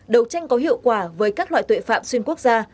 đấu tranh có hiệu quả với các loại tội phạm xuyên quốc gia